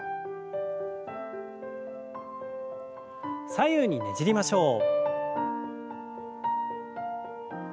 左右にねじりましょう。